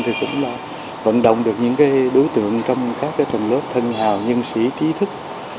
thực hiện vận động được những đối tượng trong các đơn nhóm thân hào nhân sĩ trí thức